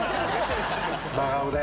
真顔で？